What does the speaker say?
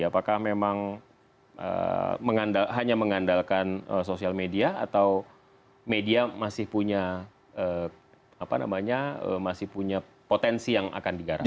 apakah memang hanya mengandalkan sosial media atau media masih punya potensi yang akan digarangkan